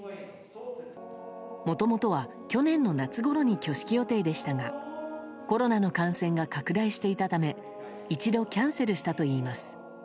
もともとは去年の夏ごろに挙式予定でしたがコロナの感染が拡大していたため一度キャンセルしたといいます。